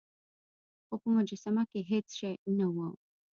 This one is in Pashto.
خو په مجسمه کې هیڅ شی نه و.